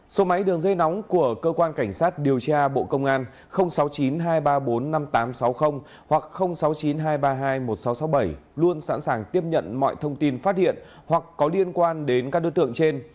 số máy đường dây nóng của cơ quan cảnh sát điều tra bộ công an sáu mươi chín hai trăm ba mươi bốn năm nghìn tám trăm sáu mươi hoặc sáu mươi chín hai trăm ba mươi hai một nghìn sáu trăm sáu mươi bảy luôn sẵn sàng tiếp nhận mọi thông tin phát hiện hoặc có liên quan đến các đối tượng trên